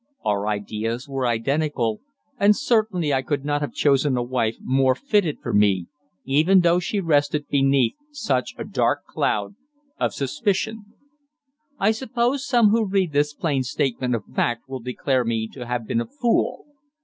Our ideas were identical, and certainly I could not have chosen a wife more fitted for me even though she rested beneath such a dark cloud of suspicion. I suppose some who read this plain statement of fact will declare me to have been a fool.